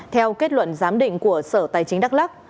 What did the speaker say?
theo kết luận giám định của sở tài chính đắk lắc